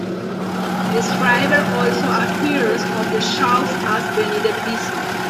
Schreiber also appeared on the show, as Beanie the Bison.